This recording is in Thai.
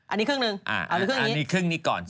อันนี้ครึ่งนึงหรือครึ่งนี้อันนี้ครึ่งนี้ก่อนสิ